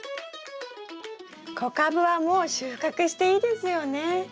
小カブはもう収穫していいですよね？